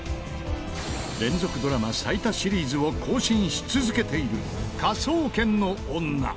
連続ドラマ最多シリーズを更新し続けている『科捜研の女』。